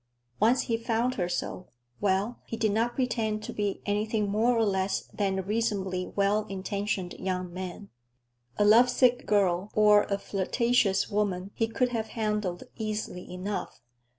Once he found her so—well, he did not pretend to be anything more or less than a reasonably well intentioned young man. A lovesick girl or a flirtatious woman he could have handled easily enough.